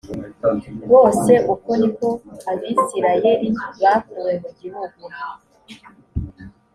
bose uko ni ko abisirayeli bakuwe mu gihugu